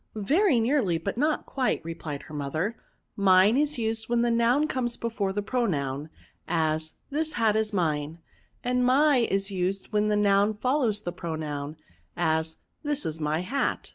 " Very nearly, but not quite," replied her mother ;^^ mine is used when the noun comes before the pronoun ; as, this hat is mine ; and my is used when the noun fol lows the pronoun ; as, this is my hat.